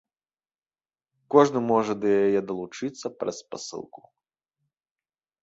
Кожны можа да яе далучыцца праз спасылку.